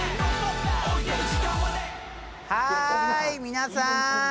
はい皆さん。